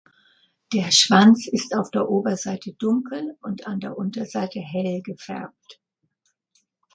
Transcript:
Der Schwanz ist auf der Oberseite dunkel und an der Unterseite hell gefärbt.